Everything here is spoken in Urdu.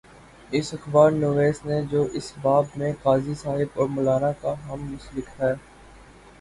اس اخبار نویس نے جو اس باب میں قاضی صاحب اور مو لانا کا ہم مسلک ہے۔